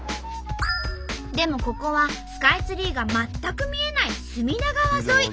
でもここはスカイツリーが全く見えない隅田川沿い。